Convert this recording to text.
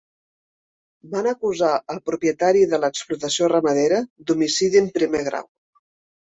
Van acusar el propietari de l'explotació ramadera d'homicidi en primer grau.